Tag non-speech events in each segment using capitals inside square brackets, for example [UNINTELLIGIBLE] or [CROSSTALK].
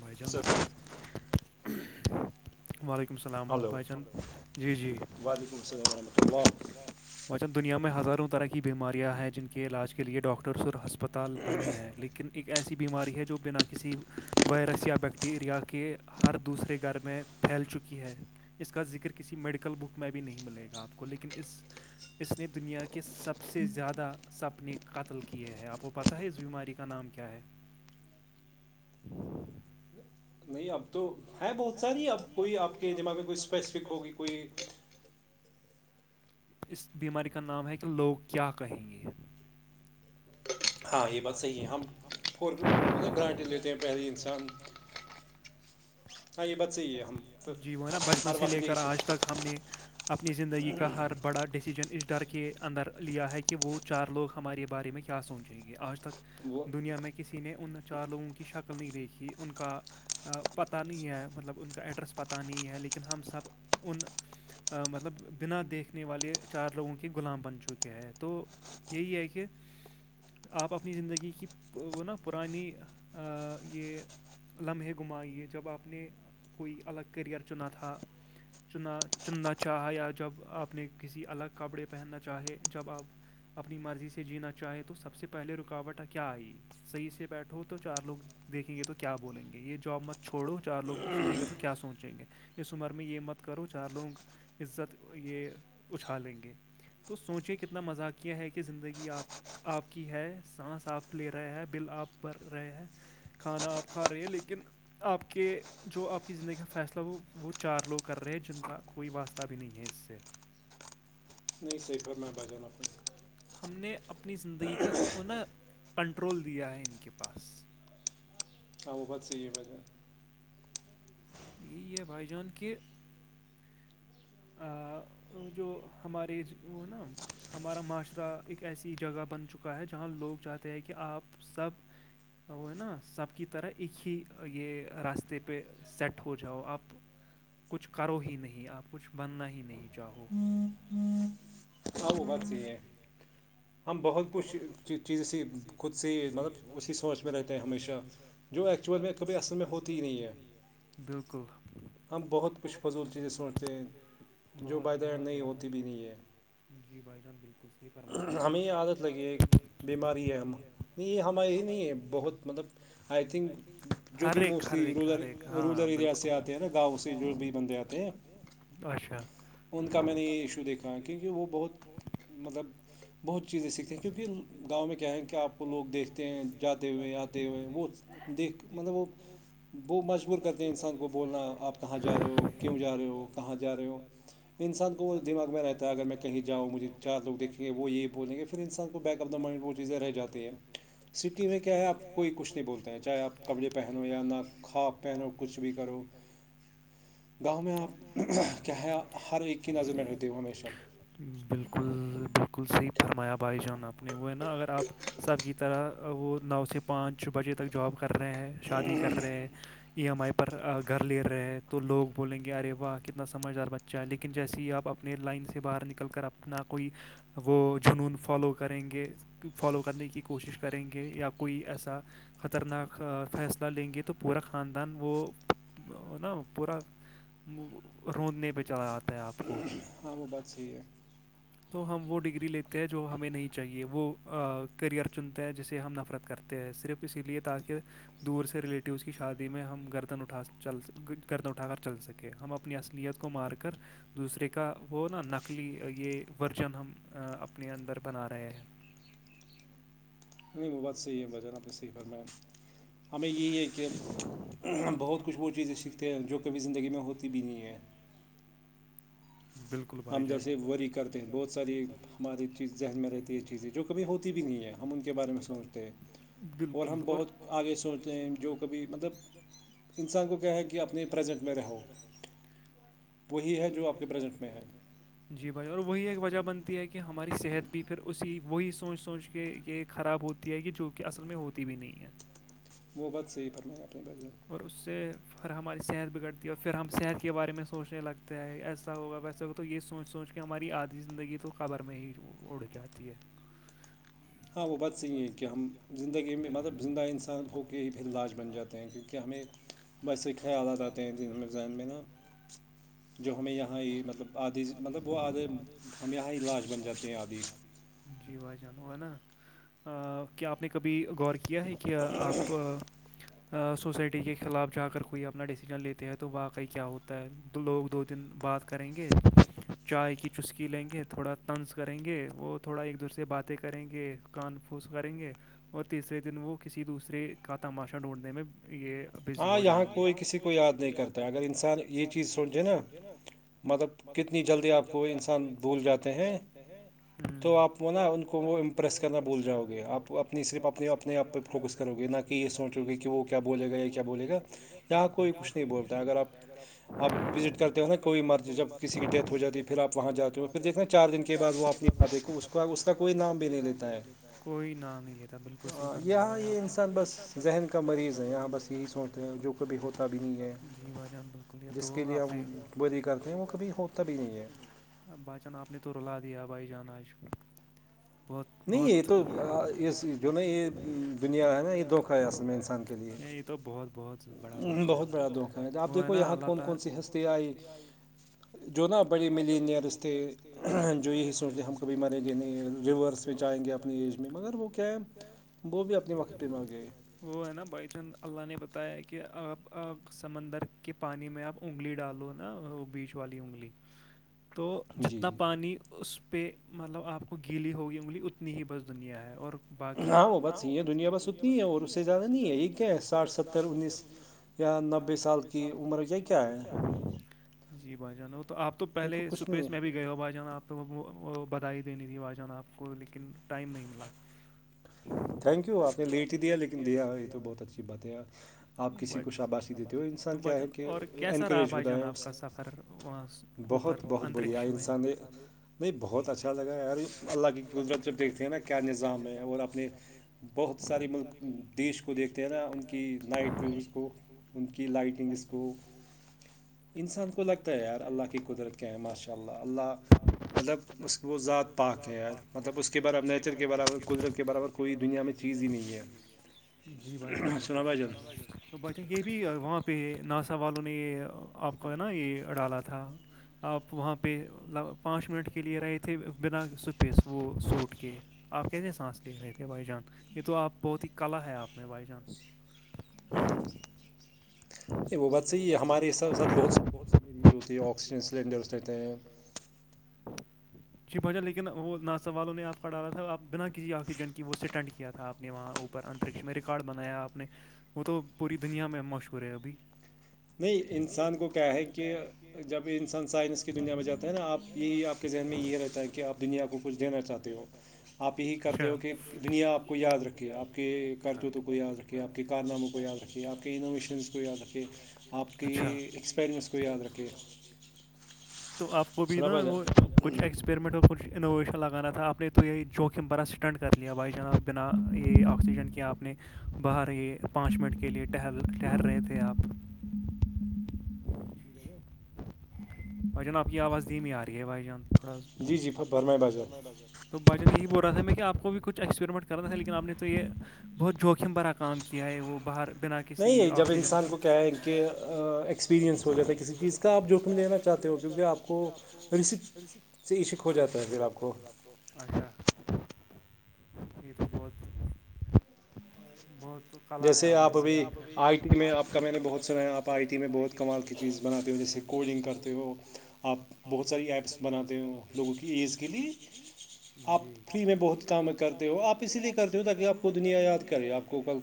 بھجن ا سےے [UNINTELLIGIBLE] وعلیکم السلام بائیچند جی جی واچا دنیا میں ہزاروں طرح کی بیماریاں ہیں جن کے علاج کے لیے ڈاکٹرس اور ہسپ اسسپتال بنے ہیں لیکن ایک ایسی بیماری ہے جو بنا کسی وائرس یا بیکٹیریا کے ہر دوسرے گھر میں پھیل چکی ہے اس کا ذکر کسی میڈیکل بک میں بھیھی نہیں ملے گا آپ کو لیکن اس اس نے دنیا کے سب سے زیادہ سپنے قتل کیے ہیں آپ کو پہ ہے اس بیماری کا نام کیا ہے نہیں اب تو ہے بہت ساری اب کوئی آپ کے دماغ میں کوئی اسپیسیفک ہوگی کوئی اس بیماری کا نام ہے کہ لوگ کیا کہیں گے ہاں یہ بات صحیح ہے ہم فور گرانٹی لیتے ہیں پہلے انسان چاہ یہ بچے جی وہ نا بچپن سے لے کر آج تک ہم نے اپنی زندگی کا ہر بڑا ڈیسیجن ا ڈر کے اندر لیا ہے کہ وہ چار لوگ ہمارے بارے میں کیا سوچیں گے آج تک دنیا میں کسی نے ان چار لوگوں کی شکل نہیں دیکھی ان کا پتہ نہیں ہے مطلب ان کا ایڈریس پتہ نہیں ہے لیکن ہم سب ان مطلب بنا دیکھنے والے چار لوگوں کے غلام بن چکے ہیں تو یہی ہے کہ آپ اپنی زندگی کی وہ نا پرانی یہ لمحے گھمائیے جب آپ نے کوئی الگ کیریئر چ نہ تھا تھا چنا چننا چاہے یا جب آپ نے کسی الگ کپڑے پہننا چاہے جب آپ اپنی مرضی سے جینا چاہے تو سب سے پہلے رکاوٹیں کیا آئی صحیح سے بیٹھو تو چار لوگ دیکھیں گے تو کیا بولیں گے یہ جاب مت چھوڑو چار لوگ نہیں گ تو کیا سوچیں گے اس عمر میں یہ مت کرو چار لوگ عزت یہ اچھالیں گے تو سوچیں کتنا مذاقیہ ہے کہ زندگی آپ آپ کی ہے سانس آپ لے رہے ہیں بل آپ بھر رہے ہیں کھانا آپ کھا رہے ہیں لیکن آپ کے جو آپ کی زندگی کا فیصلہ ہو وہ چار لوگ کر رہے ہیں جن کا کوئی واسطہ بھی نہیں ہے اس سے نہیں صحیح فرمایا بھائی جان اپ نے ہم نے اپنی زندگی کا وہ نا کنٹرول دیا ہے ان کے پاس ہاں وہ بات صحیح ہے بھائی یہی ہے بھائی جان کہ جو ہماری وہ نا ہمارا معاشرہ ایک ایسی جگہ بن چکا ہے جہاں لوگ چاہتے ہیں کہ آپ سب تو وہ ہے نا سب کی طرح ایک ہی یہ راستے پہ سیٹ ہو جاؤ آپ کچھ کرو ہی نہیں آپ کچھ بننا ہی نہیں چاہو ہاں وہ بات صحیح ہے ہم بہت کچھ چیز سے خود سے مطلب اسی سوچ میں رہتے ہیں ہمیشہ جو ایکچوول میں کبھی اصل میں ہوتی ہی نہیں ہے ہم بہت کچھ فضول چیزیں سوچتے ہیں جو بائی دا اینڈ نہیں ہوتی بھی نہیں ہے جی بھائی جان بالکل صحیح فرمایا عادت لگی ایک بیماری ہے ہم نہیں یہ ہماری نہیں ہے بہت مطلب آئی تھنک جو بھی موسٹلی رولر رولر ایریاز سے آتے ہیں نا گاؤں سے جو بھی بندے آتے ہیں ہیں ان کا میں نے یہ ایشو دیکھا کیونکہ وہ بہت مطلب بہت چیزیں کیونکہ گاؤں میں کیا ہے کہ آپ کو لوگ دیکھتے ہیں جاتے ہوئے آتے ہوئے وہ دیکھ مطلب وہ وہ مجبور کرتے ہیں انسان کو بولنا آپ کہاں جا رہے ہو کیوں جا رہے ہو کہاں جا رہے ہو انسان کو وہ دماغ میں رہتا ہے اگر میں کہیں جاؤ مجھے چار لوگ دیکیں گے وہ یہی بولیں گے پھر انسان کو بیک آف دا مائنڈ وہ چیزیں رہ جاتی ہیں سٹی میں کیا ہے آپ کوئی کچھ نہیں بولتے ہیں چاہے آپ کپڑے پہنو یا نہ خاب پہنو کچھ بھی کرو گاؤں میں آپ کیا ہے ہر ایک کی نظر میں رہتے ہو ہمیشہ بالکل بالکل صحیح فرمایا بھائی جان اپ نے وہ ہے نا اگر آپ سب کی طرح وہ نو سے پانچ بجے تک جاب کر رہے ہیں شادی کر رہے ہیں ای ایم آئی پر گھر لے رہے ہیں تو لوگ بولیں گے ارے واہ کتنا سمجھدار بچہ ہے لیکن جیسے ہی آپ اپنے لائن سے باہر نکل کر اپنا کوئی وہ جنون فالو کریں گے فالو کرنے کی کوشش کریں گے یا کوئی ایسا خطرناک فیصلہ لیں گے تو پورا خاندان وہ نا پورا روندنے پہ چلا آتا ہے آپ کو ہاں وہ بات صحیح ہے تو ہم وہ ڈگری لیتے ہیں جو ہمیں نہیں چاہیے وہ کیریئر چنتا ہے جسے ہم نفرت کرتے تے ہیں صرف اس لیے تاکہ دور سے ریلیٹیوس کی شادی میں ہم گردن اٹھا گردن اٹھا کر چل سکیں ہم اپ اپنی اصلیت کو مار کر دوسرے کا وہ نا نقلی یہ ورجن ہم اپنے اندر بنا رہے ہیں نہیں وہ بات صحیح ہے بھائی جان اپ نے صحیح فرمایا ہمیں یہی ہے کہ بہت کچھ وہ چیزیں سیکھتے ہیں جو کبھی زندگی میں ہوتی بھی نہیں ہے بالکل ہم جیسے وری کرتے ہیں بہت ساری ہماری چیز ذہن میں رہتی ہے یہ چیزیں جو کبھی ہوتی بھی نہیں ہے ہم ان کے بارے میں سوچتے [UNINTELLIGIBLE] اور ہم بہت آگے سوچتے ہیں جو [UNINTELLIGIBLE] کبھی مطلب انسان کو کیا ہے کہ اپنے پزنٹ میں رہو [UNINTELLIGIBLE] وہی ہے جو آپ کے پریزنٹ میں ہے [UNINTELLIGIBLE] جی بھائی اور وہی ایک وجہ بنتی ہے کہ ہماری صحت بھی پھر اسی وہی سوچ سوچ کے یہ [UNINTELLIGIBLE] خراب ہوتی ہے یہ جو کہ اصل میں ہوتی بھی نہیں ہے [UNINTELLIGIBLE] وہ بت صحیح فرمائ گا اپنے ب [UNINTELLIGIBLE] اور اس سے [UNINTELLIGIBLE] اورھر ہماری صحت بگڑتی ہے اور پھر ہم صحت کے بارے میں سوچنے لگتا ہے ایسا ہوگا ویسا ہو [UNINTELLIGIBLE] تو یہ سوچ سوچ کے ہماری آدھی زندگی تو خبر میں ہی اڑ جاتی ہے [UNINTELLIGIBLE] ہاں وہ بات صحی ہے کہ ہم زندگی میں مطلب زندہ انسان ہو [UNINTELLIGIBLE] کہ پھر لاج بن جاتے ہیں کیونکہ ہمیں [UNINTELLIGIBLE] بس ہی خیالات ت م زانینا [UNINTELLIGIBLE] جو ہمیں یہاں ہی مطلب آدھی مطلب وہ آدے ہم یہاں لاج بن جاتے ہیں آدھی [UNINTELLIGIBLE] جی بھائی جان ہو ہے نا کیا آپ نے کبھی غور کیا ہے [UNINTELLIGIBLE] کہ آپ سوسائٹی کے خلاف جا کر کوئی اپنا ڈیسیزن لیتے ہیں تو واقعی کیا ہوتا ہے تو لوگ دو دن بعد کریں گے چائے کی چسکی لیں گے تھوڑا طنز کریں گے وہ تھوڑا ایک دوسرے سے باتیں کریں گے کان پھوس کریں گے اور تیسرے دن وہ کسی دوسرے کا تماشا ڈھونڈنے میں یہ ہاں یہاں کوئی کسی کو یاد نہیں کرتا ہے اگر انسان یہ چیز سمجھے نا سج نا [UNINTELLIGIBLE] مطلب کتنی جلدی آپ کو وہ انسان بھول جاتے ہیں [UNINTELLIGIBLE] تو آپ وہ نا ان کو وہ امپریس کرنا بھول جاؤ گے آپ اپنی صرف اپنے اپنے آپ پہ فوکس کرو گے نہ یہ سوچ رہک گے کہ وہ کیا بولے گئے کہ بولے گا یہاں کوئی کچھ نہیں بولتا اگر آپ آپ وزٹ کر تے ہوا کوئی مرض جب کسی کی ڈیت ہو جاتی ہے پھر آ وہاں جاتے ہو پھر دھ نا چار دن کے بع وہ اپنی فادے کو اس کو کا اس کا کوئی نام بھی نہیں لیتا ہے یہاں یہ انسان بس ذہن کا مریض ہے یہاں بس یہی سوچتے ہیں جو کبھی ہوتا بھی نہیں ہے جس کے لیے بدی کرتے ہیں وہ کبھی ہوتا بھی نہیں ہے اب باچان آپ نے تو رلا دیا بھائی جان آج نہیں یہ تو یہ جو نا یہ دنیا ہے نا یہ دھوکا ہے اصل میں انسان کے لیے تو بہت بہت بڑا دھونکا ہے وہ ہے نا اللہ تعالی [UNINTELLIGIBLE] جو نا بڑے ملینئرس تھتے جو یہی سوچتے ہم کبھی مریں گے نہیں ریورس اس میں چ آائیں گے اپنی ایج میں مگر وہ کیا ہے وہ بھی اپنے وقت پہ مر گئے وہ ہے نا بائی چانس اللہ نے بتایا ہے کہ آپ سمندر کے پانی میں آپ انگلی ڈال نا وہ بیچ والی انگلی تو جتنا پانی اس پہ مطلب آپ کو گیلی ہوگی انگلی اتنی ہی بس دنیا ہے اور باقی ہاں وہ بس یہی ہے دنیا بس اتی ہے اور اس سے زیادہ نہیں ہے یہ کیا ہے ساٹھ ستر انیس نبے سال کی عمر گ کیا جی بھائی جانو تو آپ تو پہلے سپیس میں بھی گئے ہو بائی جان آپ وہ بدھائی دینی تھی بائی جان آپ کو لیکن ٹائم نہیں ملا [UNINTELLIGIBLE] تھینک یو آپ نے لیٹ ہی دیا لیکن دیا یہ تو بہت اچھی باتیں آپ کسی کو شابادش دیتے ہو انسان کیا ہے کہ انکریج خودام اس بہت بہت بڑیا انسان نہیں بہت اچھا لگا یار اللہ کی قدرت جوب دیکھتے ہیں نا کیا نظام ہے اور اپنی بہت سارے ملک دیش کو دیکھتے ہیں نا ان کی نائٹ ویوز کو ان کی لائٹنگز کو انسان کو لگتا ہے یار اللہ کی قدرت کیا ہے ماشاء اللہ اللہ مطلب اس وہ ذات پاک ہے یار مطلب اس کے برابر نیچر کے برابر قدرت کے برابر کوئی دنیا میں چیز ہی نہیں ہے سنا بھائی جان تو ب یہ بھی وہاں پہ ناسا والوں نے یہ آپ کو ہے نا یہ ڈالا تھا آپ وہاں پہ پانچ منٹ کے لئے رہے تھے بنا سپیس وہ سوٹ کے آپ کیسے سانس لکھ رہے تھے بھائی جان یہ تو آپ بہت ہی کلا ہے آپ میں بھائی جان [UNINTELLIGIBLE] وہ بات صحی ہے ہمارے بہت س [UNINTELLIGIBLE] جی بھچا لیکن وہ ناساوالوںہ نے آپ کا ڈالا تھا اپ بنا کسی آکسیجن کی وہ سٹنٹ کیا تھا آپ نے وہاں اوپر پر انترکش میں ریکارڈ بنایا آپ نے وہ تو پوری دنیا میں مشہور ہے ابھی نہیں انسان کو کیا ہے کہ جب انسان سائنس کی دنیا میں جاتا ہے نا آپ یہی آپ کے ذہن میں یہ رہتا ہے کہ آپ دنیا کو کچھ دینا چاہتے ہو آپ یہی کرتے ہو کہ دنیا آپ کو یاد رکھھیے آپ کے کرتوتوں کو یاد رکھھیے آپ کے کارناموں کو یاد رکھیے آپ کے انوویشنس کو یاد رکھے آپ کی ایکسپریمنس کو یاد رکھے تو آپ کو بھی نا وہ کچھ ایکسپیریمنٹ اور کچھ انوویشن لگانا تھا آپ نے تو یہی جوخم بھرا اسٹنٹ کر لیا بھائی جناب بنا یہ آکسیجن کے آپ نے باہر یہ پانچ منٹ کے لیے ٹہل ٹہر رہے تھے آپ بھائی جان آپ کی آواز دھیمی آ رہی ہے بھائی جان تھوڑا ج ج تو بھ جان یہی بول رہا تھا میں کہ آپ کو بھی کچھ ایکسپریمنٹ کرنا تھا لیکن آپ نے تو یہ بہت جوخم بھرا کام کیا ہے وہ باہر بنا نہیں جب انسان کو کیا ہے ان کہ ایکسپییرئنس ہو جاتا ہے کسی چیز کا آپ جوٹم میں دینا چاہ تے ہو کیونکہ آپ کو ریسیپ سے اشک ہو جاتا ہے پھر آپ کو اچھا یہ تو بہت بہت تو کلا ہے آپ آرٹ میں آپ کا بہت س میں بہت کمال کی چیز بناتے ہوں جیے کوڈنگ کرتے ہو آپ بہت ساری ایپس بناتے ہیں لوگوں کی ایز کے لیے آپ فری میں بہت کام کرتے ہو آپ اسی لیے کرتے ہو تاکہ آپ کو دنیا یاد کرے آپ کو کل [UNINTELLIGIBLE]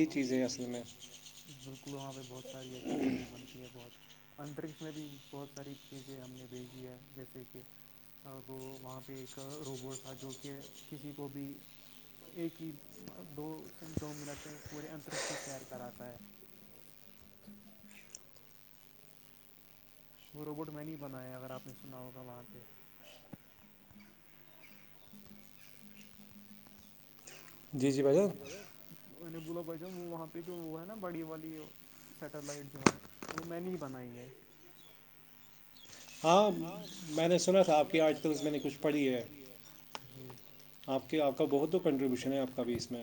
بالکل وہاں پہ بہت ساری ایسی چیزیں ب بہت اترکش میں بھی بہت ساری چیزیں ہم نے بھیجی ہیں جیسے کہ وہ وہاں پہ ایک روبوٹ تھا جو کہ کسی کو بھی ایک ہی دو سے دو منٹ میں پورے انترخ کی سیر کراتا ہے وہ روبوٹ میں نے ہی بنایا اگر آپ نے سنا ہوگا وہاں پہ جی جی بھیا ان نے بولا بھائی وہاں پہ جو وہ ہے نا بڑی والی سیٹلائٹ جو ہے وہ میں نے ہی بنائی ہے ہاں میں نے سنا تھا آپ کے آج کل میں نے کچھ پڑھی ہے [UNINTELLIGIBLE] آپ کے آپ کا بہت دو کنٹریبیوشن ہے آپ کا بھی اس میں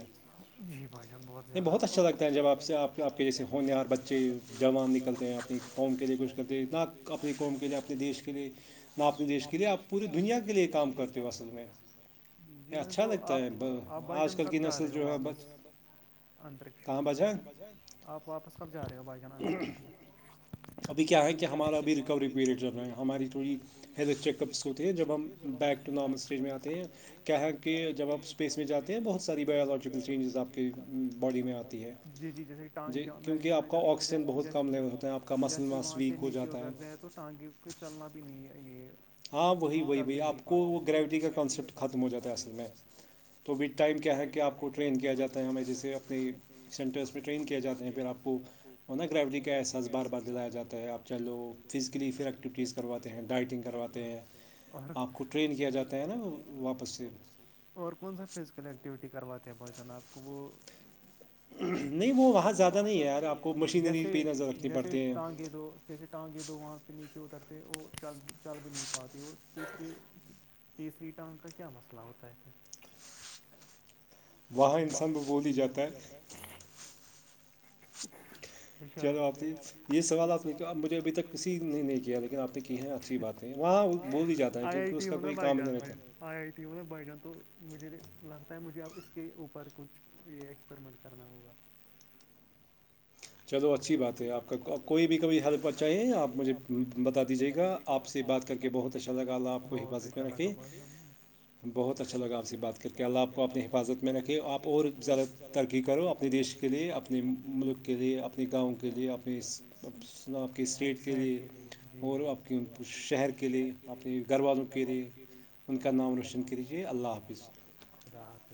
نہیں بہت اچھا لگتا ہے جب آپ سے آپ آپ کے جیسے ہونیار بچے جوان نکلتے ہیں اپنی قوم کے لیے کچھ کرتے اتنا اپنی قوم کے لیے اپنے دیش کے لیے نہ اپنے دیش کے لیے آپ پوری دنیا کے لیے کام کرتے ہو اصل میں جی میں تو آپ آپ بھائی جان کب جا رہے ہو واپس اننترکش میں آپ واپس کب جا رہے ہو بھائی جان اننترکش میں ابھی کیا ہے کہ ہمارا بھیھی ریکوری پیریڈ چل رہا ہے ہماری تھوڑی ہیلتھ چیک اپس ہوتے ہیں جب ہم بیک ٹو نارمل اسٹیج میں آتے ہیں کیا ہے کہ جب آپ اسپیس میں جاتے ہیں بہت ساری بایولوجیکل چینجز آپ کے باڈی میں آتی ہے جی جی جیسےٹگ جیسے وہاں سے نیچے اترتے ہیں تو ٹانگی کے چلنا بھی نہیں ہے یہ ہاں وہی وہی وہی آپ کو وہ گریوٹی کا کانسیپٹ ختم ہو جاتا ہے اصل میں تو وھ ٹائم کیا ہے کہ آپ کو ٹرین کیا جاتا ہے ہمیں جیسے اپنے سینٹرس میں ٹرین کیا جاتے ہیں پھر آپ کو انا گراویٹی کا احساز بار بار دلایا جاتا ہے آپ چلو فزیکلی فھر ایکٹیویٹیز کرواتے ہیں ڈائٹنگ ہیں آپ کو ٹرین کیا جاتا ہے نا واپس سے اور کون سا فزیکل ایکٹیویٹی کرواتے ہیں بہ جان آپ کو وہ نہیں وہ وہاں زیادہ نہیں ہے جیسے جیسے ٹانگے تو کسے ٹانگے دو آانگ کے نیچے اترتے وہ چل چل بھی نہیں پاتے اور تسری تیسری ٹن کا کیا مسئلہ ہوتا ہے وہاں انسان کو بول ہی جاتا ہے چلو آپ نے یہ سوال آپ نے کیا مجھے ابھی تک کسی نے نہیں کیا لیکن آپ نے کی ہیں اچھی بات وہاں بول ہی جاتا ہے کیونکہ اس کا کوئی کام نہیں رہتا آئیئی تھی انہیں بیڈن تو مجھے لگتا ہے مجھے اب اس کے اوپر کچھ یہ ایکسپریمنٹ کرنا وہ چلو اچھی بات ہے آپ کا کوئی بھی کبھی ہیلپ چاہیے آپ مجھے بتا دیجیے گا آپ سے بات کر کے بہت اچھا لگا اللہ آپ کو حفاظت میں رکھے بہت اچھا لگا آپ سے بات کر کے اللہ آپ کو اپنی حفاظت میں رکھے آپ اور زیادہ ترقی کرو اپنے دیش کی کے لیے اپنے ملک کے لیے اپنے گاؤں کے لیے اپنے آپ کے اسٹیٹ کے لیے اور آپ کے شہر کے لیئے اپنے گھر والازوں کے لیے ان کا نام روشن کرجیے اللہ حافظ [UNINTELLIGIBLE]